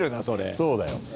そうだよ